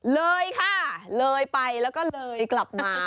เลยค่ะเลยไปแล้วก็เลยกลับมา